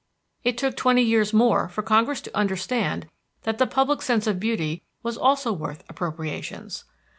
It took twenty years more for Congress to understand that the public sense of beauty was also worth appropriations.